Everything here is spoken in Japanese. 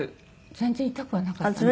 全然痛くはなかったんです。